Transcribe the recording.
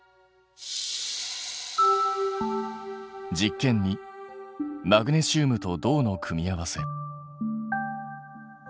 実験２マグネシウムと銅の組み合わせ。